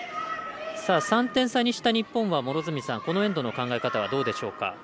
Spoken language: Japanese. ３点差にした日本はこのエンドの考え方はどうでしょうか。